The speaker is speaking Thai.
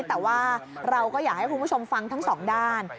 แต่ว่าเราก็อยากให้คุณผู้ชมฟังทั้งสองด้าน